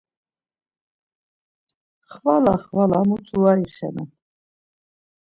Xvala xvala mutu var ixenen.